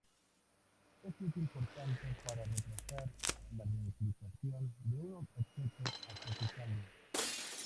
Es útil por tanto para retrasar la replicación de un objeto hasta que cambia.